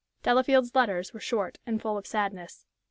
Delafield's letters were short and full of sadness.